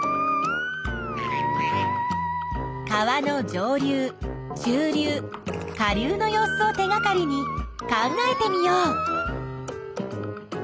川の上流中流下流の様子を手がかりに考えてみよう。